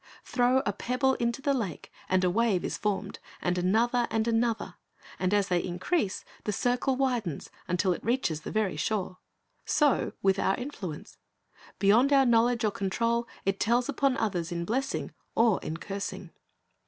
Throw a pebble into the lake, and a wave is formed, and another and another; and as they increase, the circle widens, until it reaches the very shore. So with our influence. Beyond our knowledge or control it tells upon others in blessing or in cursing.